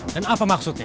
dan apa maksudnya